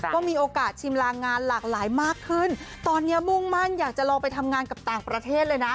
ก็มีโอกาสชิมลางงานหลากหลายมากขึ้นตอนนี้มุ่งมั่นอยากจะลองไปทำงานกับต่างประเทศเลยนะ